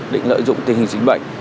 định lợi dụng tình hình chính bệnh